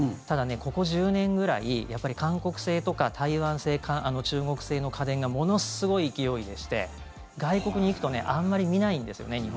ただ、ここ１０年ぐらいやっぱり韓国製とか台湾製中国製の家電がものすごい勢いでして外国に行くとあんまり見ないんですよね。